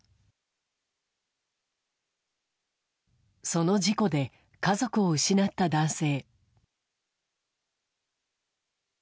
その事故で家族を失った男性。